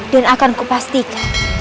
dan akan kupastikan